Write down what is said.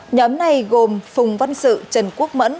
nhóm này gồm phùng văn sự trần quốc mẫn